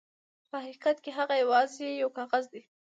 په حقیقت کې هغه یواځې یو کاغذ دی.